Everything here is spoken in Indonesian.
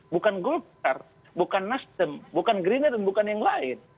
bukan golkar bukan nasdem bukan gerindra dan bukan yang lain